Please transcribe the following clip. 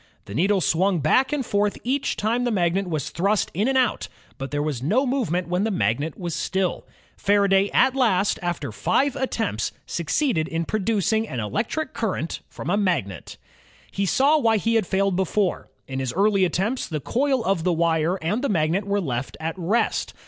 The needle swung back and forth each time the magnet was thrust in and out, but there was no movement when the magnet was still. Faraday at last, after five attempts, succeeded in pro ELECTRIC ENGINE AND ELECTRIC LOCOMOTIVE 8l ducing an electric current from a magnet. He saw why he had failed before. In his earlier attempts, the coil of wire and the magnet were left at rest.